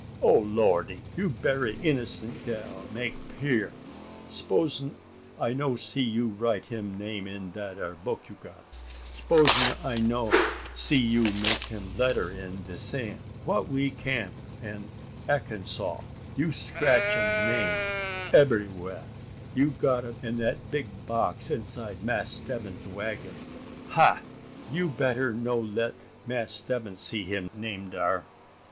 "O Lordy! you berry innocent gal, make 'pear! S'pose I no see you write him name in dat ere book you got? S'pose I no see you make him letter in de sand, wha we camp on Akansaw? You scratch am name ebberywha; you got um on de big box inside Mass' Stebbins's waggon. Ha! you better no let Mass' Stebbins see him name dar!"